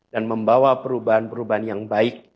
dan membawa perubahan perubahan yang baik